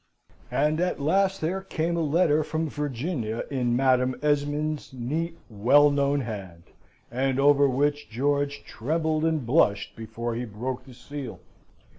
And at last there came a letter from Virginia in Madam Esmond's neat, well known hand, and over which George trembled and blushed before he broke the seal.